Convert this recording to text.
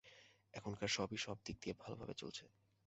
এখানকার সবই সবদিক দিয়ে ভালভাবেই চলছে।